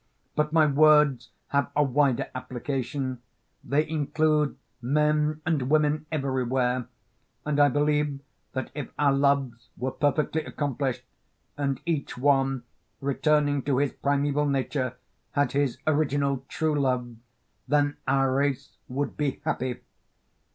But my words have a wider application they include men and women everywhere; and I believe that if our loves were perfectly accomplished, and each one returning to his primeval nature had his original true love, then our race would be happy.